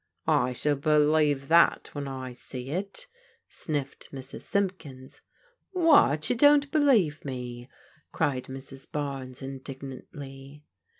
" I shall believe that when I see it," sniflFed Mrs. Simp kins. " What, you don't believe me? " cried Mrs. Barnes in dignantly.